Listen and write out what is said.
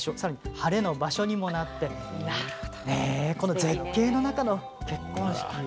ハレの場所にもなってこの絶景の中での結婚式。